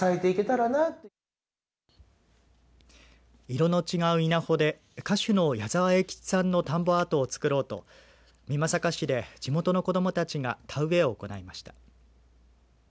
色の違う稲穂で歌手の矢沢永吉さんの田んぼアートをつくろうと美作市で地元の子どもたちが田植えを行いました。